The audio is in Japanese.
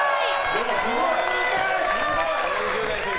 すごい！